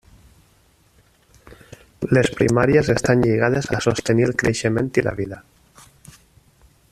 Les primàries estan lligades a sostenir el creixement i la vida.